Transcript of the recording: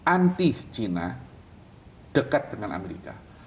anti china dekat dengan amerika